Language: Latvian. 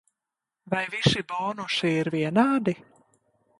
Vai visi bonusi ir vienādi?